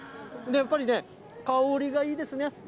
やっぱりね、香りがいいですね。